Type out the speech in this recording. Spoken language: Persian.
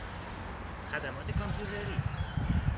خدمات کامپیوتری